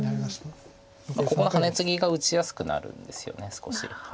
ここのハネツギが打ちやすくなるんですよね少し。